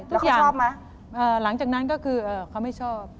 แล้วเขาชอบมั้ยหลังจากนั้นก็คือเขาไม่ชอบ